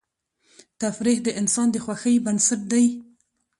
تفریح د انسان د خوښۍ بنسټ دی.